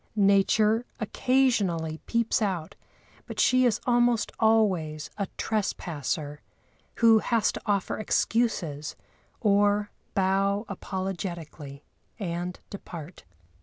Nature occasionally peeps out, but she is almost always a trespasser, who has to offer excuses, or bow apologetically and depart.